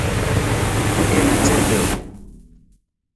اي نچي پيو.